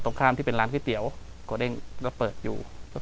กลับมาที่สุดท้ายและกลับมาที่สุดท้าย